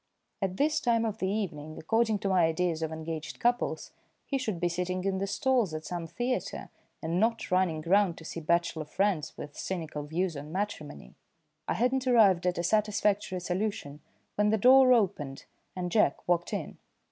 At this time of the evening, according to my ideas of engaged couples, he should be sitting in the stalls at some theatre, and not running round to see bachelor friends with cynical views on matrimony. I had not arrived at a satisfactory solution when the door opened and Jack walked in.